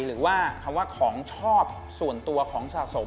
หรือว่าคำว่าของชอบส่วนตัวของสะสม